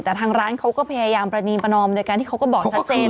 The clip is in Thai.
แต่ทางร้านเขาก็พยายามประณีประนอมโดยการที่เขาก็บอกชัดเจน